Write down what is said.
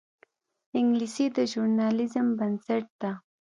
انګلیسي د ژورنالیزم بنسټ ده